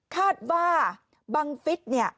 คาดว่าบังฤทธิ์